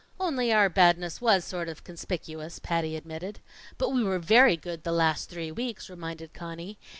"Only our badness was sort of conspicuous," Patty admitted. "But we were very good the last three weeks," reminded Conny.